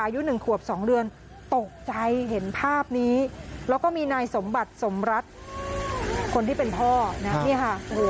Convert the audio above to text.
อายุหนึ่งขวบสองเดือนตกใจเห็นภาพนี้แล้วก็มีนายสมบัติสมรัฐคนที่เป็นพ่อนะนี่ค่ะ